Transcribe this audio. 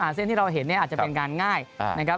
อาเซ็นท์ที่เราเห็นเนี้ยอาจจะเป็นงานง่ายอ่า